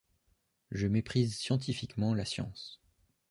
Je méprise scientifiquement la science.